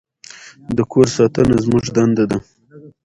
د کور ساتنه زموږ دنده ده.